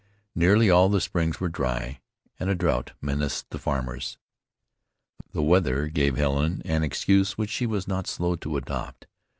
Nearly all the springs were dry, and a drouth menaced the farmers. The weather gave Helen an excuse which she was not slow to adopt.